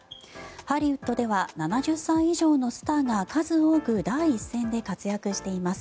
ハリウッドでは７０歳以上のスターが数多く第一線で活躍しています。